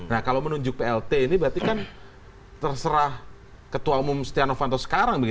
nah kalau menunjuk plt ini berarti kan terserah ketua umum setia novanto sekarang